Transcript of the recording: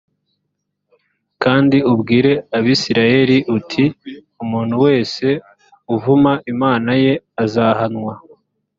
kandi ubwire abisirayeli uti umuntu wese uvuma imana ye azahanwa